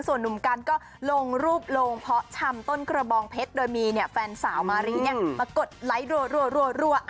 ส่วนหนุ่มกันก็ลงรูปลงเพาะชำต้นกระบองเพชรโดยมีแฟนสาวมารีมากดไลค์รัว